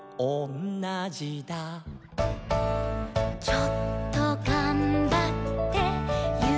「ちょっとがんばってゆうきだして」